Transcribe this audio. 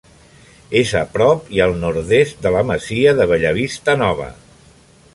És a prop i al nord-est de la masia de Bellavista Nova.